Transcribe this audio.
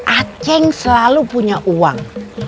aceh selalu punya uang